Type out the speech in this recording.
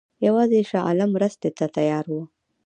یوازې شاه عالم مرستې ته تیار وو.